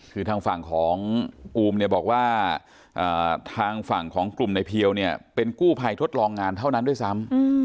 คือทางฝั่งของอูมเนี่ยบอกว่าทางฝั่งของกลุ่มในเพียวเนี่ยเป็นกู้ภัยทดลองงานเท่านั้นด้วยซ้ำ